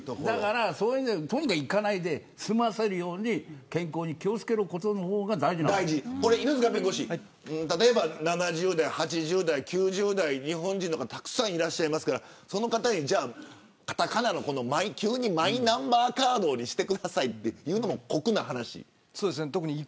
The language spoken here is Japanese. とにかく行かないで済ませるように健康に気を付けることの方が犬塚弁護士、例えば７０代８０代９０代日本人の方たくさんいますからその方に急にマイナンバーカードにしてくださいというのも酷な話。